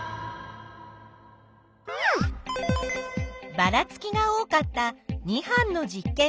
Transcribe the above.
ばらつきが多かった２班の実験を見てみよう。